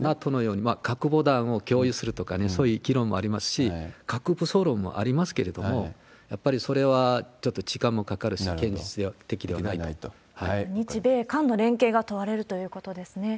核ボタンを共有するとか、そういう議論もありますし、核武装論もありますけれども、やっぱりそれは時間もかかるし、現実的ではな日米韓の連携が問われるということですね。